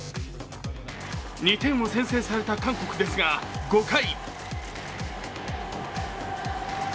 ２点を先制された韓国ですが５回。